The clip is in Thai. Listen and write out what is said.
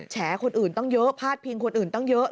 แฉคนอื่นต้องเยอะพาดพิงคนอื่นตั้งเยอะ